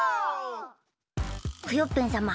クヨッペンさま